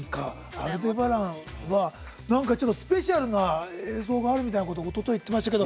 「アルデバラン」はちょっとスペシャルな映像があるみたいなことをおととい、言ってましたけど。